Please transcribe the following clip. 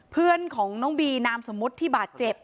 เพื่อนของน้องบีนามสมมุติที่บาดเจ็บ